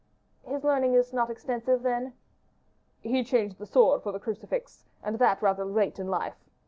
"His learning is not extensive, then?" "He changed the sword for the crucifix, and that rather late in life.